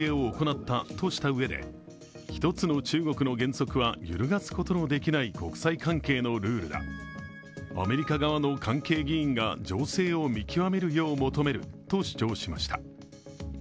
既にアメリカ側に厳正な申し入れを行ったとしたうえで、一つの中国の原則は揺るがすことのできない国際関係のルールだ、アメリカ側の関係議員が情勢を見極めるよう求めると主張しました。